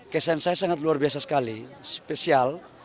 kesan saya sangat luar biasa sekali spesial